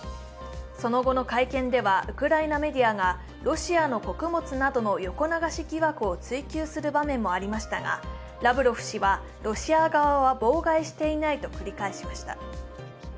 その後の会見ではウクライナメディアがロシアの穀物などの横流し疑惑を追及する場面もありましたが、ラブロフ氏はロシア側は妨害していないと繰り返しました。